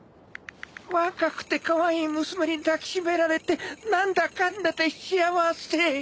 若くてカワイイ娘に抱き締められて何だかんだで幸せ。